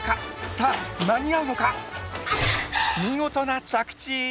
さあ間に合うのか⁉見事な着地！